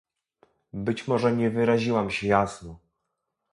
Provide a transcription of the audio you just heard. Być może nie wyraziłam się jasno